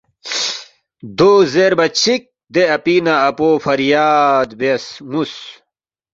“ دو زیربا چِک دے اپی نہ اپو فریاد بیاس نُ٘وس